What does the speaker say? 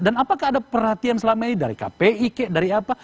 dan apakah ada perhatian selama ini dari kpi dari apa